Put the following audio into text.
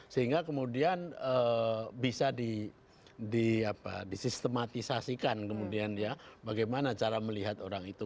sehingga kemudian bisa disistematisasikan kemudian ya bagaimana cara melihat orang itu